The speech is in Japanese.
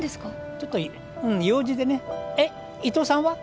ちょっと用事でねえっ伊藤さんは？